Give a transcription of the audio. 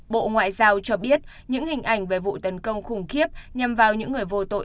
bộ ngoại giao cho biết những hình ảnh về vụ tấn công khủng khiếp nhằm vào những người vô tội